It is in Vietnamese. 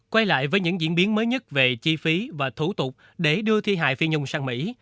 quay lại với những diễn biến mới nhất về chi phí và thủ tục để đưa thi hài phi nhung sang mỹ